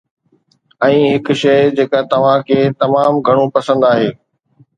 ۽ هڪ شيء جيڪا توهان کي تمام گهڻو پسند آهي